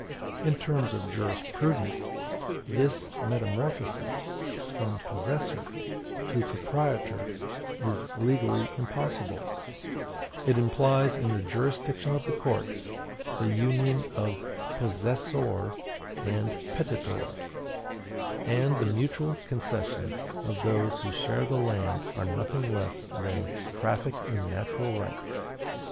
In the terms of jurisprudence, this metamorphosis from possessor to proprietor is legally impossible; it implies in the jurisdiction of the courts the union of possessoire and petitoire; and the mutual concessions of those who share the land are nothing less than traffic in natural rights.